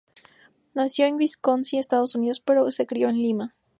Nació en Wisconsin, Estados Unidos pero se crio en Lima.